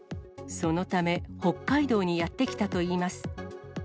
そのため、北海道にやって来たといいます。